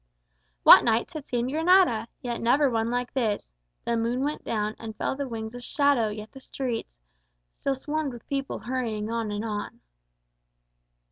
_" What nights had seen Granada! Yet never one like this! The moon went down And fell the wings of shadow, yet the streets Still swarmed with people hurrying on and on.